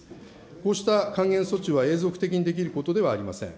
こうした還元措置は永続的にできることではありません。